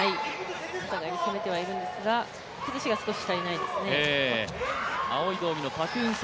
お互いに攻めてはいるんですが崩しがすこし足りないですね。